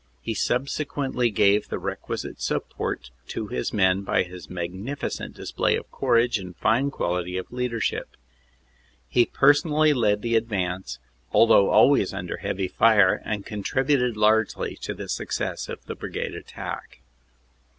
He subsequently gave the requisite support to his men by his mag nificent display of courage and fine qualities of leadership. He personally led the advance, although always under heavy fire, and contributed largely to the success of the Brigade attack.